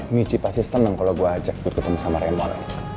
michi pasti senang kalau gue ajak ikut ketemu sama reinhard